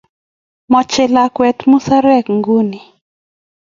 Mache lakwet musarek nguni